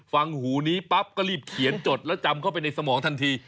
หูนี้ปั๊บก็รีบเขียนจดแล้วจำเข้าไปในสมองทันที